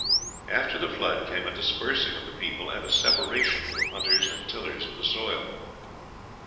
After the flood came a dispersing of the people, and a separation into hunters and tillers of the soil.